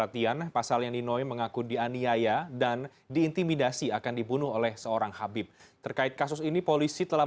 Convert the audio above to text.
tim iputan cnn indonesia